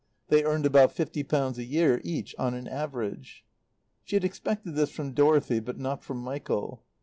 (They earned about fifty pounds a year each on an average.) She had expected this from Dorothy, but not from Michael.